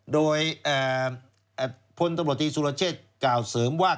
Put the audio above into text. โดยพลตำรวจตีสุรเชษฐกล่าวเสริมว่า